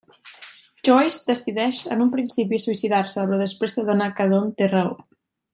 Joyce decideix en un principi suïcidar-se però després s'adona que Don té raó.